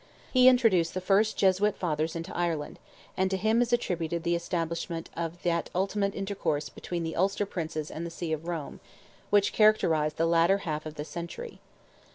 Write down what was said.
He introduced the first Jesuit Fathers into Ireland, and to him is attributed the establishment of that intimate intercourse between the Ulster Princes and the See of Rome, which characterized the latter half of the century.